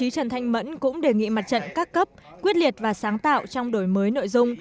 trần thanh mẫn cũng đề nghị mặt trận các cấp quyết liệt và sáng tạo trong đổi mới nội dung